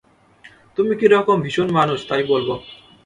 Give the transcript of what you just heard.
তুমি কীরকম ভীষণ মানুষ তাই বলব।